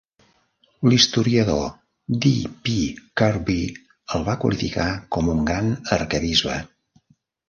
L'historiador D. P. Kirby el va qualificar com un "gran" arquebisbe.